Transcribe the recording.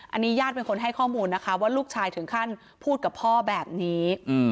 อันนี้ญาติเป็นคนให้ข้อมูลนะคะว่าลูกชายถึงขั้นพูดกับพ่อแบบนี้